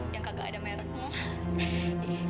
yang kagak ada mereknya